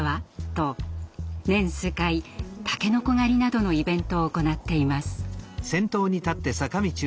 と年数回たけのこ狩りなどのイベントを行っています。